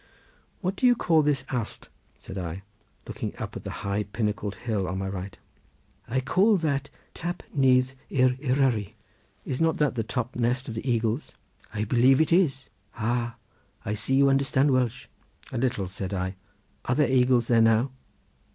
"What do you call this allt?" said I, looking up to the high pinnacled hill on my right. "I call that Tap Nyth yr Eryri." "Is not that the top nest of the eagles?" "I believe it is. Ha, I see you understand Welsh." "A little," said I; "are there eagles there now?"